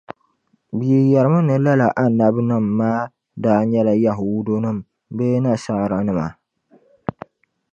Bee yi yεrimi ni lala Annabinim' maa daa nyɛla Yahuudunim’ bee Nashaaranima?